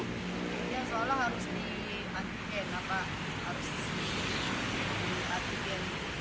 ya soalnya harus di antigen